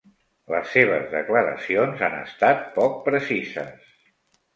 Les seves declaracions han estat poc precises.